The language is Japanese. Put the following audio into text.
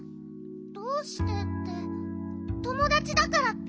どうしてってともだちだからッピ。